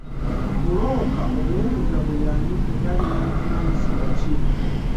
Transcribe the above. Bbulooka w'emigabo y'ani era alina buvunaanyizibwa ki?